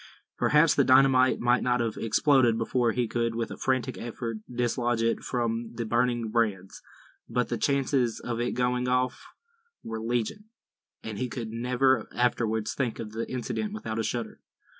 Perhaps the dynamite might not have exploded before he could with a frantic effort dislodge it from the burning brands; but the chances of its going off were legion, and he could never afterwards think of the incident without a shudder.